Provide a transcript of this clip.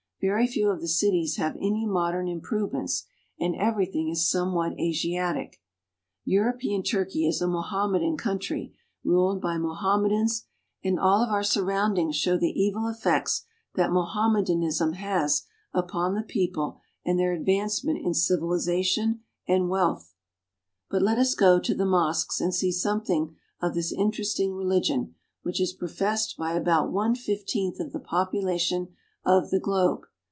Very few of the cities have any modern improvements, and everything is somewhat Asiatic. European Turkey is a Mohammedan country, ruled by Mohammedans, and all of our surroundings show the evil effects that Mohammedanism has upon the people, and their advancement in civilization and wealth. AMONG THE MOHAMMEDANS. 375 "The people live chiefly by farming." But let us go to the mosques, and see something of this interesting religion which is professed by about one fifteenth of the population of the globe.